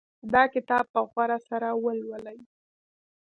دا کتاب په غور سره ولولئ